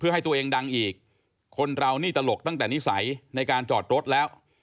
ให้ตัวเองดังอีกคนเรานี่ตลกตั้งแต่นิสัยในการจอดรถแล้ว